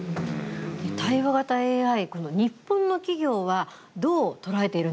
対話型ＡＩ日本の企業はどう捉えているんでしょうか。